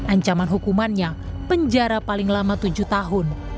ancaman hukumannya penjara paling lama tujuh tahun